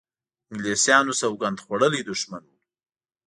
انګلیسیانو سوګند خوړولی دښمن وو.